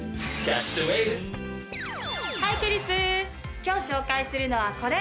今日紹介するのはこれ！